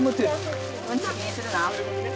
うんち気にするな。